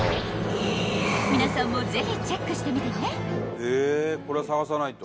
［皆さんもぜひチェックしてみてね］